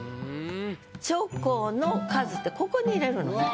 「チョコの数」ってここに入れるの。